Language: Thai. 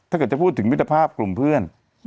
ถ้าเกิดจะพูดถึงมิตรภาพกลุ่มเพื่อน